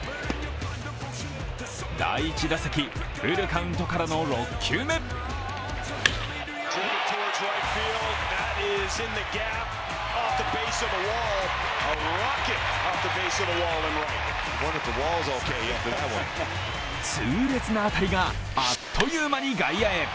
第１打席、フルカウントからの６球目痛烈な当たりがあっという間に外野へ。